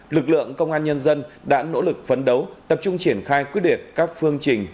lực lượng công an nhân dân đã nỗ lực phấn đấu tập trung triển khai quyết liệt các phương trình